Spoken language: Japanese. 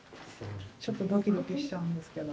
ちょっとドキドキしちゃうんですけど。